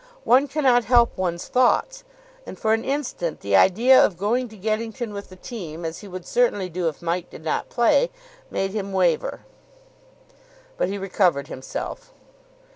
One cannot help one's thoughts, and for an instant the idea of going to Geddington with the team, as he would certainly do if Mike did not play, made him waver. But he recovered himself.